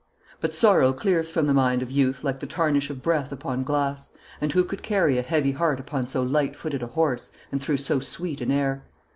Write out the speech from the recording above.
But sorrow clears from the mind of youth like the tarnish of breath upon glass, and who could carry a heavy heart upon so lightfooted a horse and through so sweet an air?